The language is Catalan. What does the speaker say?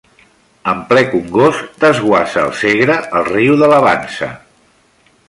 En ple congost desguassa al Segre el riu de Lavansa.